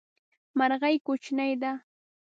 مرغی کوچنی ده